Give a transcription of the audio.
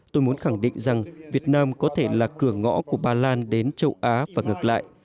tôi muốn khẳng định rằng việt nam có thể là cửa ngõ của ba lan đến châu á và ngược lại